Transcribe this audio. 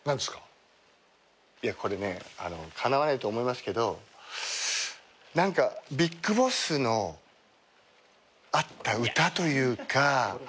いやこれねかなわないと思いますけどビッグボスの合った歌というか。